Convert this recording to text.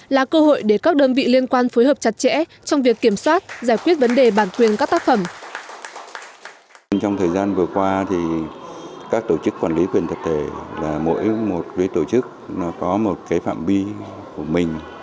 là cơ hội để các đơn vị liên quan phối hợp chặt chẽ trong việc kiểm soát giải quyết vấn đề bản quyền các tác phẩm